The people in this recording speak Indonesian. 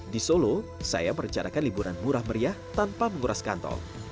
di solo saya merencanakan liburan murah meriah tanpa menguras kantong